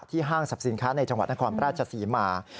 ที่ห้างศัพท์สินค้าในจังหวัดนครราชสีมา